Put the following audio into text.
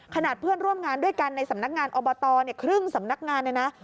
ขนาดเพื่อนร่วมงานด้วยกันในสำนักงานโอบตเนี่ยครึ่งสำนักงานในน่ะ